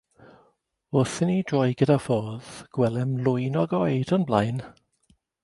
Wrth i ni droi gyda'r ffordd gwelem lwyn o goed o'n blaen.